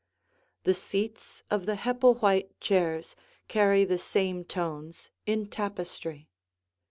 The seats of the Hepplewhite chairs carry the same tones in tapestry.